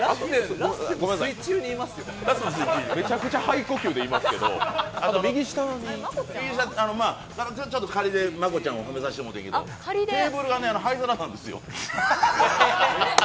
めちゃくちゃ肺呼吸でいますけど右下にちょっと仮で真子ちゃんを配させていただきましたがテーブルが灰皿なんですよ。